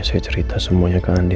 saya cerita semuanya ke andi